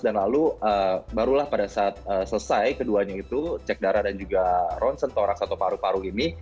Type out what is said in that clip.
dan lalu barulah pada saat selesai keduanya itu cek darah dan juga ronsen thorax atau paru paru ini